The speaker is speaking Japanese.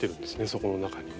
そこの中にね。